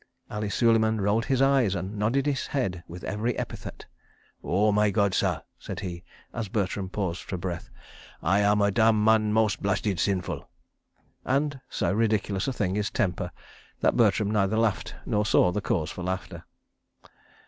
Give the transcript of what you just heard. ..." Ali Suleiman rolled his eyes and nodded his head with every epithet. "Oh, my God, sah," said he, as Bertram paused for breath, "I am a dam man mos' blasted sinful"—and, so ridiculous a thing is temper, that Bertram neither laughed nor saw cause for laughter.